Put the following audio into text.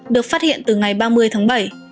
được phát hiện từ ngày ba mươi tháng bảy